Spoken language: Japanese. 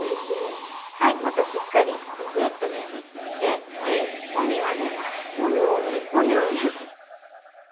はいまたしっかりグルグルッとねじってもみ混ぜます。